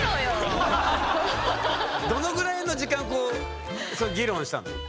どのぐらいの時間こうそれ議論したの？